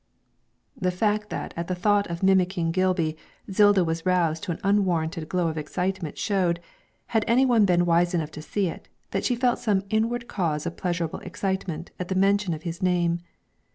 The fact that at the thought of mimicking Gilby Zilda was roused to an unwarranted glow of excitement showed, had any one been wise enough to see it, that she felt some inward cause of pleasurable excitement at the mention of his name.